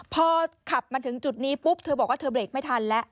พอขับมาถึงจุดนี้ปุ๊บเธอบอกว่าเธอเบรกไม่ทันแล้ว